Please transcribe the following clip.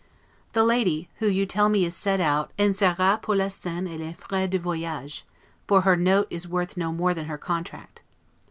The lady, who you tell me is set out, 'en sera pour la seine et les fraix du voyage', for her note is worth no more than her contract.